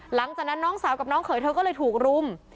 หลังจากนั้นน้องสาวกับน้องเขยเธอก็เลยถูกรุม